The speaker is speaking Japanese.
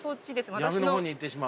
闇の方に行ってしまう。